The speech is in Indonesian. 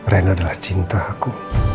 rena adalah cinta aku